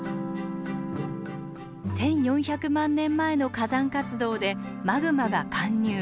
１，４００万年前の火山活動でマグマが貫入。